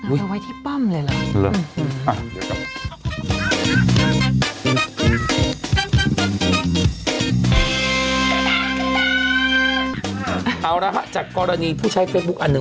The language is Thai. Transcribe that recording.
อุ๊ยเอาไว้ที่ป้อมเลยเหรอเอาละห้ะจากกรณีผู้ใช้เฟซบุ๊คอันหนึ่ง